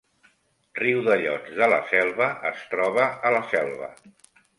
Riudellots de la Selva es troba a la Selva